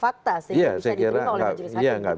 tidak ada fakta sih yang bisa diterima oleh penjurut sakin gitu